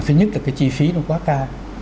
thứ nhất là cái chi phí nó quá cao